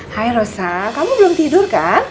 rosa kamu belum tidur kan